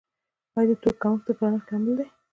یا د توکو کمښت د ګرانښت لامل دی؟